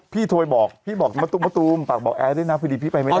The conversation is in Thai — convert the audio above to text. พี่บอกมาตุ้มมาตุ้มฝากบอกแอร์ด้วยนะพอดีพี่ไปไม่ได้